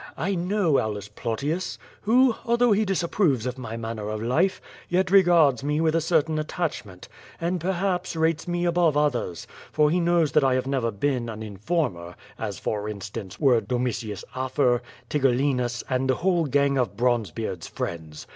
I know Aulus Plau tius, who, although he disapproves of my manner of life, yet regards me with a certain attachment; and, perhaps, rates me above others, for he knows that I have never lieen an informer, as for instance, were Domitius Afer, Tigellinus, and the whole gang of Bronzebeard's* friends.